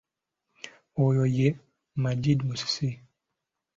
Oyo ye Magid Musisi.